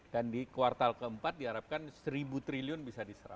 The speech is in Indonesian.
dan di kuartal keempat diharapkan seribu triliun bisa diserap